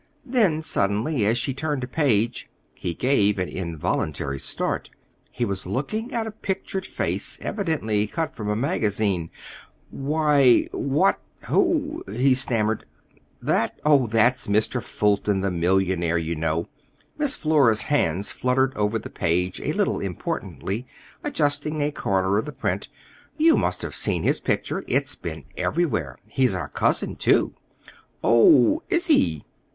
Then, suddenly, as she turned a page, he gave an involuntary start. He was looking at a pictured face, evidently cut from a magazine. "Why, what—who—" he stammered. "That? Oh, that's Mr. Fulton, the millionaire, you know." Miss Flora's hands fluttered over the page a little importantly, adjusting a corner of the print. "You must have seen his picture. It's been everywhere. He's our cousin, too." "Oh, is he?"